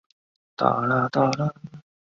勒阿弗尔站南侧设有社会车辆停车场。